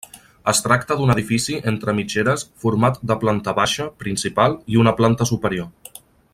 Es tracta d'un edifici entre mitgeres format de planta baixa, principal i una planta superior.